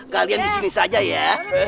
kalian disini saja ya